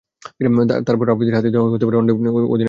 তবে তার পরও আফ্রিদির হাতেই দেওয়া হতে পারে ওয়ানডে অধিনায়কের ভার।